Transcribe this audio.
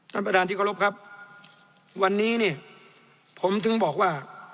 ท่านประธานที่เคารพครับวันนี้เนี่ยผมถึงบอกว่า